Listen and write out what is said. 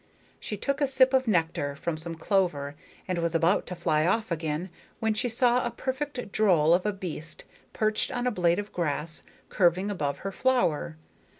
She took a sip of nectar from some clover and was about to fly off again when she saw a perfect droll of a beast perched on a blade of grass curving above her flower.